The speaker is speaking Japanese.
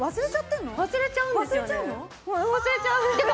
忘れちゃうんですよね